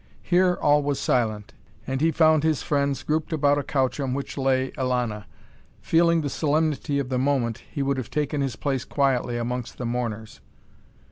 Here all was silent, and he found his friends grouped about a couch on which lay Elana. Feeling the solemnity of the moment, he would have taken his place quietly amongst the mourners.